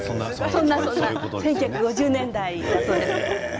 １９５０年代だそうです。